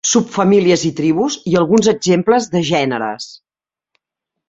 Subfamílies i tribus i alguns exemples de gèneres.